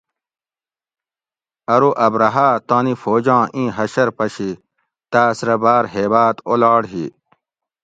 ارو ابرھاۤ تانی فوجاں ایں حشر پشی تاس رہ باۤر ھیباۤت اولاڑ ہی